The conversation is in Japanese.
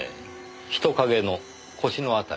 人影の腰のあたり。